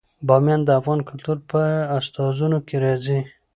بامیان د افغان کلتور په داستانونو کې راځي.